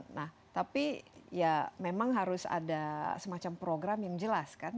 nah tapi ya memang harus ada semacam program yang jelas kan